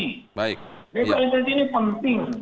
rehabilitasi ini penting